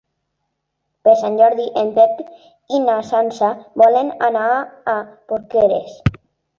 Per Sant Jordi en Pep i na Sança volen anar a Porqueres.